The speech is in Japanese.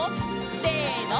せの！